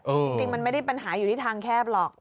จริงมันไม่ได้ปัญหาอยู่ที่ทางแคบหรอก